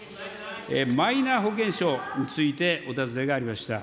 マイナ保険証についてお尋ねがありました。